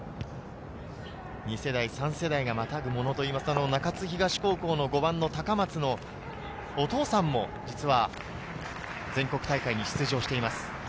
２世代、第３世代がまたぐものというと、中津東高校の５番の高松のお父さんも全国大会に出場しています。